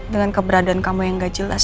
dengan keberadaan kamu yang gak jelas